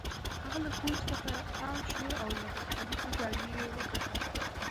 هغه له کوچ څخه تاو شو او له مختلفو زاویو یې وکتل